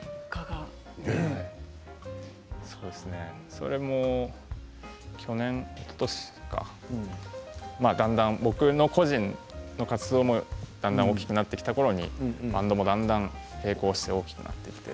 それも去年、おととしだんだん僕の個人の活動もだんだん大きくなってきたころにバンドもだんだん平行して大きくなって。